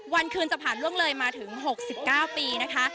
วันคืนจะผ่านล่วงเลยมาถึง๖๙ปีนะคะ